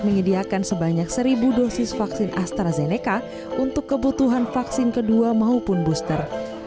menyediakan sebanyak seribu dosis vaksin astrazeneca untuk kebutuhan vaksin kedua maupun booster